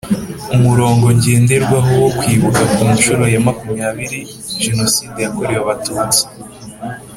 Umurongo ngenderwaho wo Kwibuka ku nshuro ya makumyabiri Jenoside yakorewe abatutsi